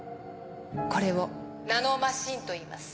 これをナノマシンといいます。